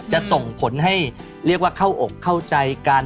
จะส่งผลให้เรียกว่าเข้าอกเข้าใจกัน